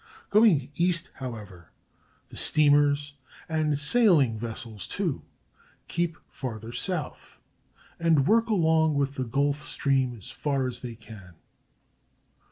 Going east, however, the steamers—and sailing vessels too—keep farther south, and work along with the Gulf Stream as far as they can.